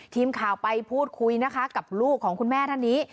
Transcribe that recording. ทีมข่าวไปพูดคุยนะคะกับลูกของคุณแม่ท่านนี้